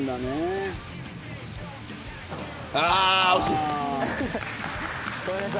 ああ、惜しい。